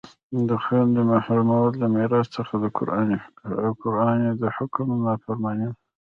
د خویندو محرومول د میراث څخه د قرآن د حکم نافرماني ده